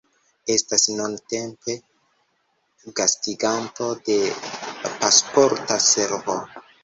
Estas nuntempe gastiganto de Pasporta Servo.